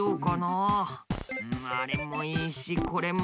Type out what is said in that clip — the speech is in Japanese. あれもいいしこれもいいし。